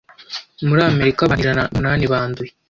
muri Amerika abantu ijana numunani banduye